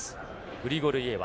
グリゴルイエワ。